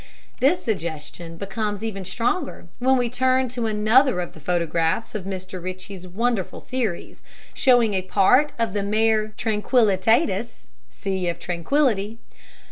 This suggestion becomes even stronger when we turn to another of the photographs of Mr Ritchey's wonderful series, showing a part of the Mare Tranquilitatis ("Sea of Tranquility"!).